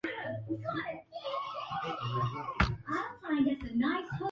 wakoloni wa maeneo jirani walihakikisha kwamba hao hawataingilia katika sehemu walizolengaMwaka elfu moja